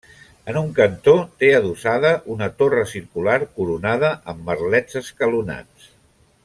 En un cantó té adossada una torre circular coronada amb merlets escalonats.